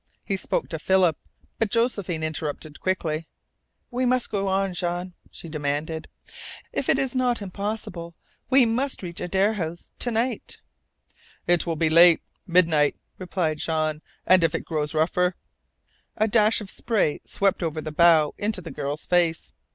He spoke to Philip, but Josephine interrupted quickly: "We must go on, Jean," she demanded. "If it is not impossible we must reach Adare House to night." "It will be late midnight," replied Jean. "And if it grows rougher " A dash of spray swept over the bow into the girl's face.